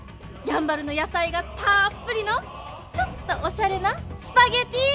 やんばるの野菜がたっぷりのちょっとおしゃれなスパゲッティ！